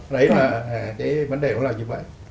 đấy là cái vấn đề nó là như vậy